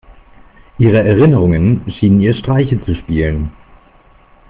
Ihre Erinnerungen schienen ihr Streiche zu spielen.